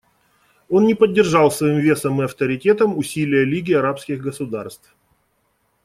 Он не поддержал своим весом и авторитетом усилия Лиги арабских государств.